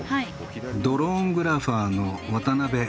ドローングラファーの渡邉秋男さん。